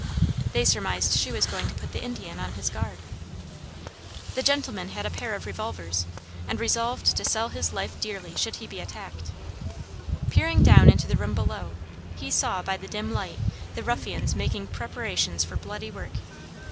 They surmised she was going to put the Indian on his guard. The gentleman had a pair of revolvers, and resolved to sell his life dearly, should he be attacked. Peering down into the room below, he saw, by the dim light, the ruffians making preparations for bloody work.